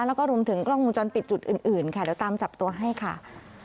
แล้วก็รวมถึงกล้องวงจรปิดจุดอื่นค่ะเดี๋ยวตามจับตัวให้ค่ะ